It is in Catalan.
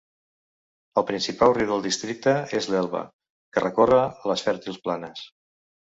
El principal riu del districte és l'Elba, que recorre les fèrtils planes.